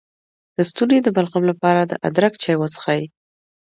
د ستوني د بلغم لپاره د ادرک چای وڅښئ